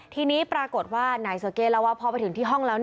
ทีนี้ปรากฏว่านายโซเก้เล่าว่าพอไปถึงที่ห้องแล้ว